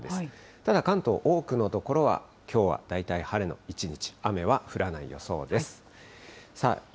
ただ関東、多くの所はきょうは大体晴れの一日、雨は降らない予想です。